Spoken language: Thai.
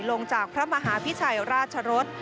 ลงจากพระมหาพิชัยราชรส